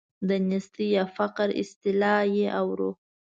د نیستۍ یا فقر اصطلاح چې اورو.